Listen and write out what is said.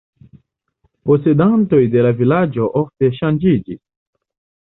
Posedantoj de la vilaĝo ofte ŝanĝiĝis.